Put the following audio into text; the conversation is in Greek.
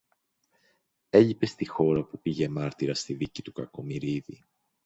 Έλειπε στη χώρα όπου πήγε μάρτυρας στη δίκη του Κακομοιρίδη